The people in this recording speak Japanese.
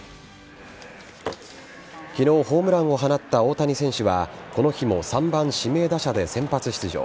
昨日ホームランを放った大谷選手はこの日も３番・指名打者で先発出場。